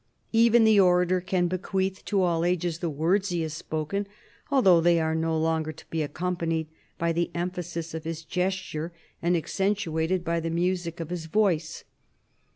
Even the orator can bequeath to all ages the words he has spoken, although they are no longer to be accompanied by the emphasis of his gesture and accentuated by the music of his voice.